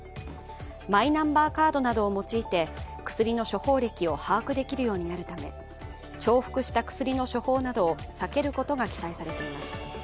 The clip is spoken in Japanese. マイナンバーカードなどを用いて薬の処方歴を把握できるようになるため、重複した薬の処方などを避けることが期待されています。